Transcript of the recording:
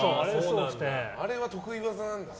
あれは得意技なのかな。